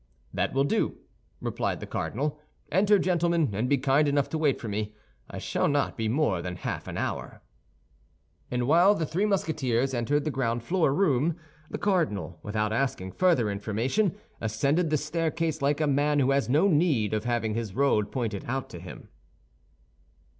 "That will do," replied the cardinal. "Enter, gentlemen, and be kind enough to wait for me; I shall not be more than half an hour." And while the three Musketeers entered the ground floor room, the cardinal, without asking further information, ascended the staircase like a man who has no need of having his road pointed out to him.